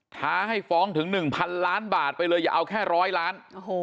ท้าให้ฟ้องถึง๑๐๐๐ล้านบาทไปเลยอย่าเอาแค่๑๐๐ล้าน